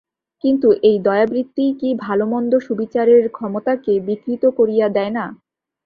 কিন্তু এই দয়াবৃত্তিই কি ভালো-মন্দ-সুবিচারের ক্ষমতাকে বিকৃত করিয়া দেয় না?